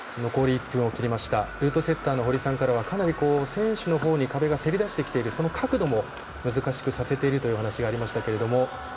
ルートセッターの堀さんからはかなり選手の方に壁がせり出してきているその角度も難しくさせているというお話がありましたけども。